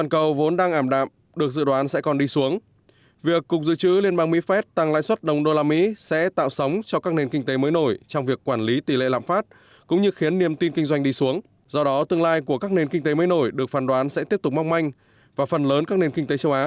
cảm ơn các bạn đã theo dõi và hẹn gặp lại